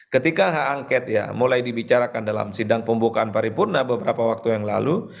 ketika hak angket ya mulai dibicarakan dalam sidang pembukaan paripurna beberapa waktu yang lalu